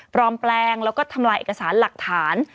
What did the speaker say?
แปลงแล้วก็ทำลายเอกสารหลักฐาน